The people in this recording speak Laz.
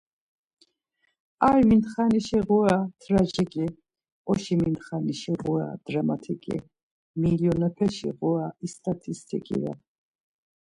Ar mintxaşi ğura trajiǩi, oşi mintxaşi ğura dramatiǩi, milyonepeşi ğura istatistiǩi ren.